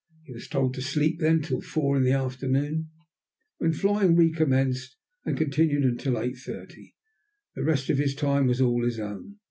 He was told to sleep then till 4 in the afternoon, when flying recommenced, and continued till 8.30. The rest of his time was all his own.